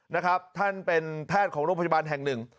นะครับท่านเป็นแพทย์ของโรงพยาบาลแห่งหนึ่ง